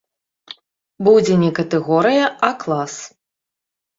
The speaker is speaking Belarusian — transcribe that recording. Будзе не катэгорыя, а клас.